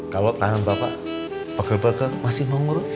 kalau tanam bapak pegel pegel masih mau ngurut